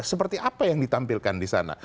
seperti apa yang ditampilkan disana